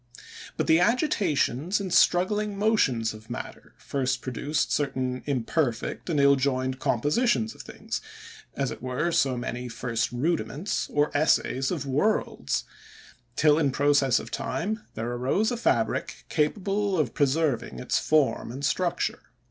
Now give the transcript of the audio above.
But the agitations and struggling motions of matter, first produced certain imperfect and ill joined compositions of things, as it were so many first rudiments, or essays of worlds; till, in process of time, there arose a fabric capable of preserving its form and structure.